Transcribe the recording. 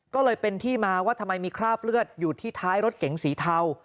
ก็เลยเป็นที่มาว่าทำไมมีคราบเลือดอยู่ที่ท้ายรถเก๋งสีเทา